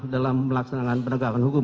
dalam melaksanakan penegakan hukum